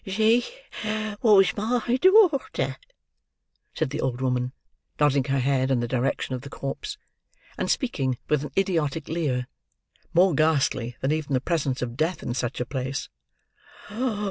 "She was my daughter," said the old woman, nodding her head in the direction of the corpse; and speaking with an idiotic leer, more ghastly than even the presence of death in such a place.